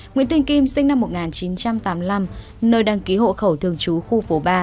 nguyễn tinh kim sinh năm một nghìn chín trăm tám mươi năm nơi đăng ký hộ khẩu thường trú khu phố ba